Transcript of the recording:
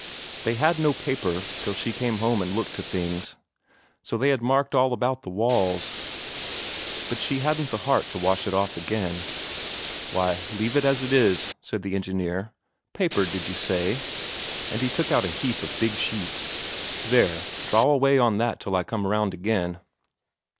They had no paper till she came home and looked to things, so they had marked all about the walls. But she hadn't the heart to wash it off again. "Why, leave it as it is," said the engineer. "Paper, did you say?" And he took out a heap of big sheets. "There, draw away on that till I come round again.